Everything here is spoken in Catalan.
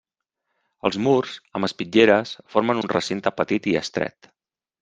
Els murs, amb espitlleres, formen un recinte petit i estret.